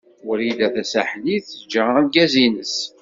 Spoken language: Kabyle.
Wrida Tasaḥlit teǧǧa argaz-nnes.